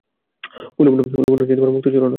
উলুবনে মুক্তো ছড়ানো।